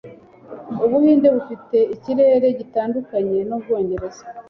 Ubuhinde bufite ikirere gitandukanye n’Ubwongereza.